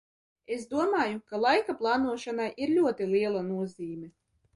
Es domāju, ka laika plānošanai ir ļoti liela nozīme.